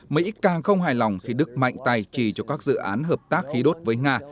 mỹ càng không hài lòng khi đức mạnh tay trì cho các dự án hợp tác khí đốt với nga